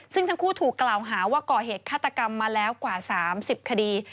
ซึ่งทั้งคู่ถูกกล่าวหาว่าก่อเหตุฆาตกรรมมาแล้วกว่า๓๐คดี